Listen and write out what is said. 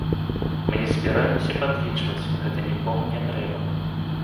Мы не збіраемся падлічваць, гэта нікому не трэба.